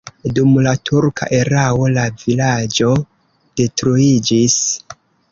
Dum la turka erao la vilaĝo detruiĝis.